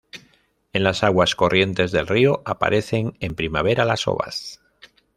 En las aguas corrientes del río aparecen en primavera las ovas.